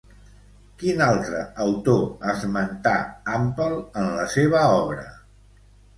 Quin altre autor esmentà Àmpel en la seva obra?